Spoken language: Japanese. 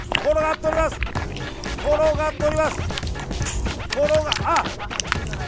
転がっております！